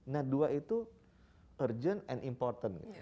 nah dua itu urgent and important